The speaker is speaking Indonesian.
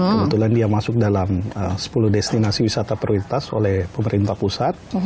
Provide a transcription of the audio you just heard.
kebetulan dia masuk dalam sepuluh destinasi wisata prioritas oleh pemerintah pusat